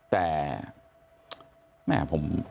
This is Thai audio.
แต่แม่ผม